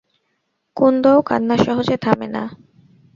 কুন্দও কান্না সহজে থামে না!